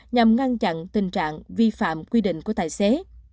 nhằm ngăn chặn tình trạng vi phạm quy định của tài xế